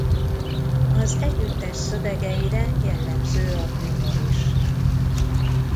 Az együttes szövegeire jellemző a humor is.